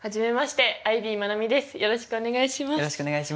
よろしくお願いします。